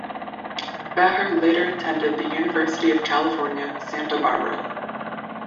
Bahar later attended the University of California, Santa Barbara.